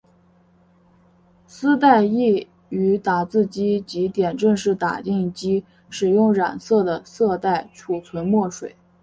丝带亦于打字机及点阵式打印机使用染色的色带储存墨水。